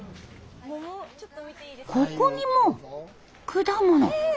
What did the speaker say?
ここにも果物。え！